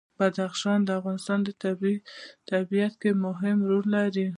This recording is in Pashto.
بدخشان د افغانستان په طبیعت کې مهم رول لري.